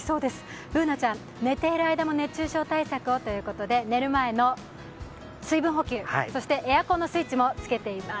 Ｂｏｏｎａちゃん、寝ている間も熱中症対策をということで、寝る前の水分補給、そしてエアコンのスイッチもつけています。